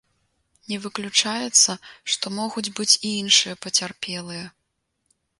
Не выключаецца, што могуць быць і іншыя пацярпелыя.